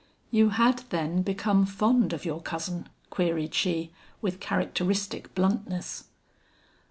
"You had then become fond of your cousin?" queried she with characteristic bluntness.